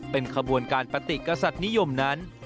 เป็นขบวนการปฏิกษัตริย์นิยมนั้น